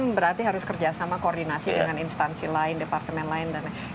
ini kan berarti harus kerjasama koordinasi dengan instansi lain departemen lain dan lain